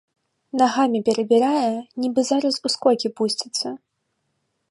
Нагамі перабірае, нібы зараз у скокі пусціцца.